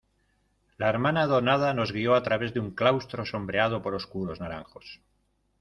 la hermana donada nos guió a través de un claustro sombreado por oscuros naranjos.